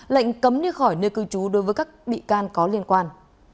lệnh cấm đi khỏi nơi cư trú đối với các bị can có liên quan